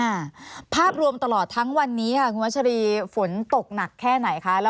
อ่าภาพรวมตลอดทั้งวันนี้ค่ะคุณวัชรีฝนตกหนักแค่ไหนคะ